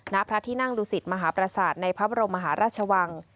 ณพระที่นั่งดูสิตมหาประสาทในพระบรมมหาราชวัง